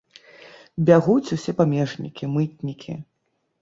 Бягуць усе памежнікі, мытнікі.